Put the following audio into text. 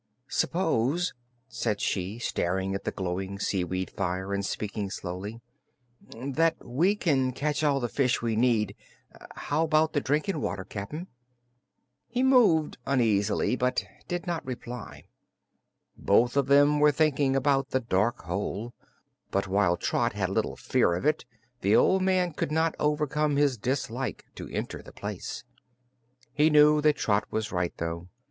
"S'pose," said she, staring at the glowing seaweed fire and speaking slowly, "that we can catch all the fish we need; how 'bout the drinking water, Cap'n?" He moved uneasily but did not reply. Both of them were thinking about the dark hole, but while Trot had little fear of it the old man could not overcome his dislike to enter the place. He knew that Trot was right, though.